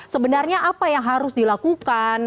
sebenarnya apa yang harus dilakukan